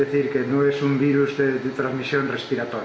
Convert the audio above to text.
ini bukan virus yang berkondisi respirator